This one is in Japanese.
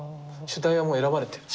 主題はもう選ばれてる。